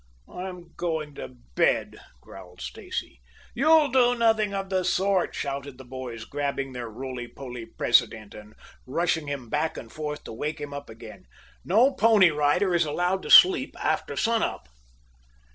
"I'm going to bed," growled Stacy. "You'll do nothing of the sort," shouted the boys, grabbing their roly poly president and rushing him back and forth to wake him up again. "No Pony Rider is allowed to sleep after sun up."